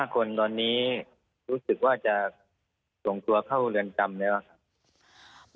๑๕คนตอนนี้รู้สึกว่าจะส่งตัวเข้าเรือนทรัมป์เลยครับ